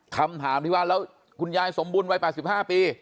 คำถามที่ว่าแล้วคุณยายสมบูรณ์ไว้แปดสิบห้าปี